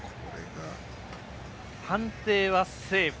判定はセーフ。